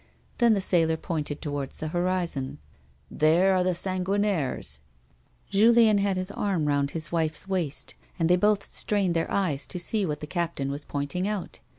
Then the sailor pointed towards the horizon. <" There are the Sanguinaires," he said. Julien had his arm roimd his wife's waist, and they both strained their eyes to see what the captain was pointing out.